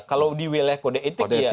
kalau diwilayah kode etik iya